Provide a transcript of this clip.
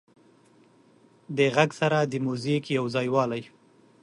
د غږ سره د موزیک یو ځایوالی